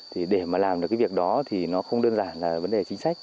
thì để mà làm được cái việc đó thì nó không đơn giản là vấn đề chính sách